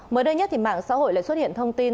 mới đây nhất thì mạng xã hội lại xuất hiện thông tin